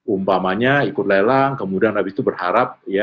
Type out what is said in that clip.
umpamanya ikut lelang kemudian habis itu berharap ya